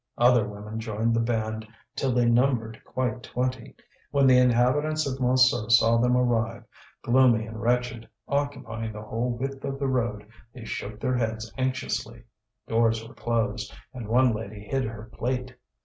Other women joined the band till they numbered quite twenty. When the inhabitants of Montsou saw them arrive, gloomy and wretched, occupying the whole width of the road, they shook their heads anxiously. Doors were closed, and one lady hid her plate.